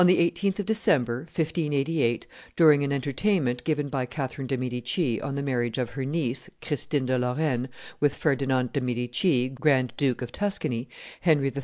On the 18th of December, 1588, during an entertainment given by Catherine de' Medici on the marriage of her niece, Christine de Lorraine, with Ferdinand de' Medici, Grand Duke of Tuscany, Henry III.